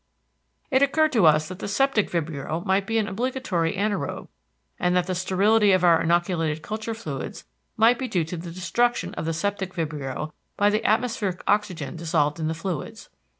It occurred to us that the septic vibrio might be an obligatory anaërobe and that the sterility of our inoculated culture fluids might be due to the destruction of the septic vibrio by the atmospheric oxygen dissolved in the fluids.